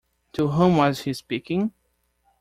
To whom was he speaking?